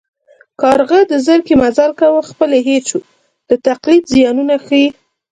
کارغه د زرکې مزل کاوه خپل یې هېر شو د تقلید زیانونه ښيي